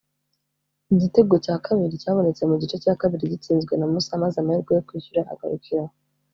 Igitego cya kabiri cyabonetse mu gice cya kabiri gitsinzwe na Musa maze amahirwe yo kwishyura agarukira aho